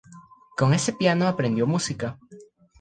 Con ese piano aprendió música.